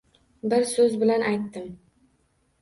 Bir so’z bilan aytdim.